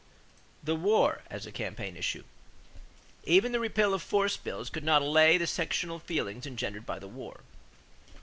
=The War as a Campaign Issue.= Even the repeal of force bills could not allay the sectional feelings engendered by the war.